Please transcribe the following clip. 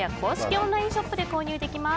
オンラインショップで購入できます。